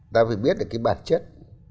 ta phải biết được cái bản chất